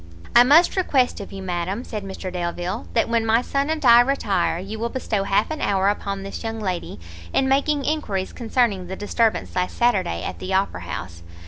"I must request of you, madam," said Mr Delvile, "that when my son and I retire, you will bestow half an hour upon this young lady, in making enquiries concerning the disturbance last Saturday at the Opera house.